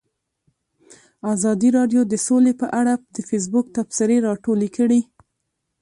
ازادي راډیو د سوله په اړه د فیسبوک تبصرې راټولې کړي.